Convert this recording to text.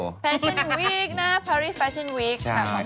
แฟชั่นวีกนะภาริกาแฟชั่นวีก